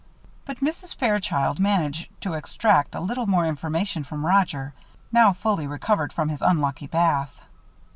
But Mrs. Fairchild managed to extract a little more information from Roger, now fully recovered from his unlucky bath.